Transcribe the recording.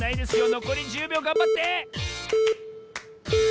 のこり１０びょうがんばって！